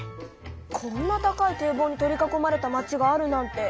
こんな高い堤防に取り囲まれた町があるなんて